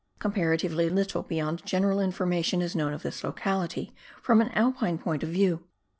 Comparatively little beyond general informa tion is known of this locality from an Alpine point of view.